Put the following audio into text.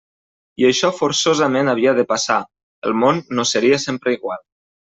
I això forçosament havia de passar: el món no seria sempre igual.